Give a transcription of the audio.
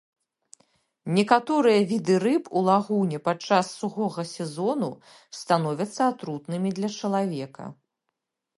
Некаторыя віды рыб у лагуне падчас сухога сезону становяцца атрутнымі для чалавека.